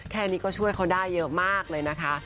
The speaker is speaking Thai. แค่นี้ก็ช่วยเขาได้เยอะมากเลยนะคะ